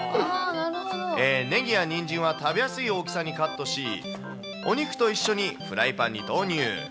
ねぎやにんじんは食べやすい大きさにカットし、お肉と一緒にフライパンに投入。